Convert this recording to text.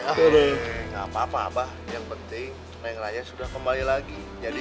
yes ah lho orang tua wah eh apa apa yang penting neng raya sudah kembali lagi jadi